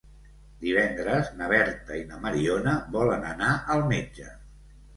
Divendres na Berta i na Mariona volen anar al metge.